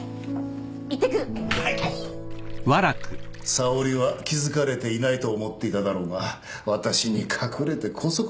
沙織は気付かれていないと思っていただろうが私に隠れてこそこそと。